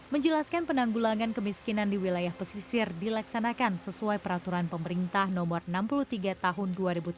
menjelaskan penanggulangan kemiskinan di wilayah pesisir dilaksanakan sesuai peraturan pemerintah nomor enam puluh tiga tahun dua ribu tujuh belas